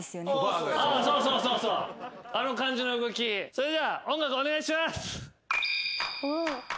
それでは音楽お願いします。